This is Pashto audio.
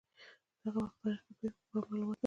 د هغه وخت تاریخي پېښو په باب معلومات نشته.